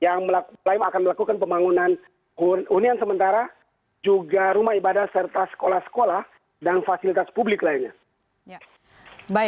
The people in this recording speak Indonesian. yang lain akan melakukan pembangunan hunian sementara juga rumah ibadah serta sekolah sekolah dan fasilitas publik lainnya